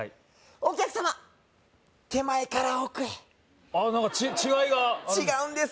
お客様手前から奥へああ何か違いがある違うんです